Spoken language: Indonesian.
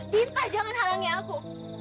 dita jangan halangi aku